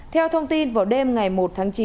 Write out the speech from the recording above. theo thông tin vào đêm ngày một tháng chín